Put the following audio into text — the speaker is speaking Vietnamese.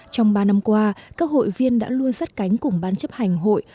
trong ba năm qua các hội viên đã luôn sắt cánh cùng bán chấp hành hội